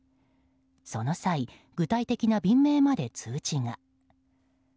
その際、具体的な便名まで通知が。